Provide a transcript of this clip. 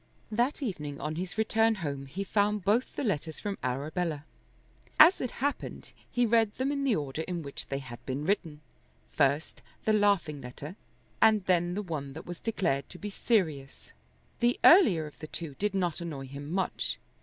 That evening on his return home he found both the letters from Arabella. As it happened he read them in the order in which they had been written, first the laughing letter, and then the one that was declared to be serious. The earlier of the two did not annoy him much.